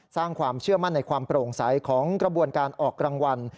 สร้างความเชื่อมั่นในความโปร่งใสของกระบวนการออกรางวัล